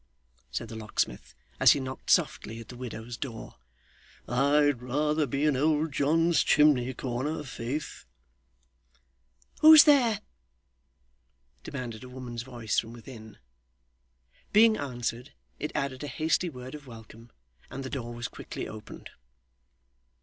said the locksmith, as he knocked softly at the widow's door. 'I'd rather be in old John's chimney corner, faith!' 'Who's there?' demanded a woman's voice from within. Being answered, it added a hasty word of welcome, and the door was quickly opened.